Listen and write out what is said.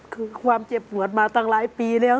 คือความเจ็บปวดมาตั้งหลายปีแล้ว